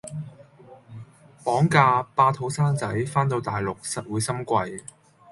綁架，霸肚生仔，番到大陸，實會心悸